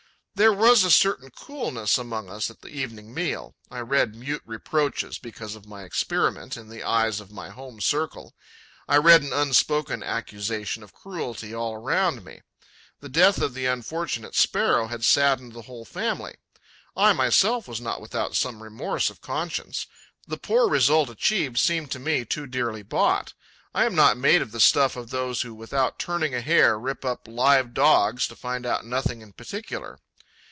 There was a certain coolness among us at the evening meal. I read mute reproaches, because of my experiment, in the eyes of my home circle; I read an unspoken accusation of cruelty all around me. The death of the unfortunate Sparrow had saddened the whole family. I myself was not without some remorse of conscience: the poor result achieved seemed to me too dearly bought. I am not made of the stuff of those who, without turning a hair, rip up live Dogs to find out nothing in particular.